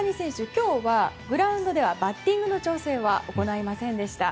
今日は、グラウンドではバッティングの調整は行いませんでした。